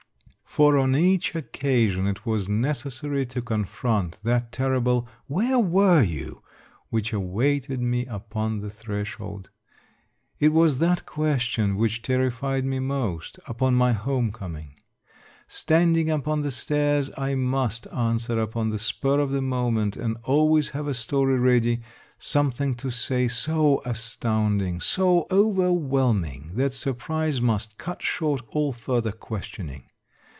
For on each occasion it was necessary to con front that terrible " Where were you ?" which awaited me upon the threshold. It was that ques tion which terrified me most, upon my home com ing. Standing upon the stairs I must answer upon the spur of the moment, and always have a story ready, something to say so astounding, so over whelming, that surprise must cut short all further questioning.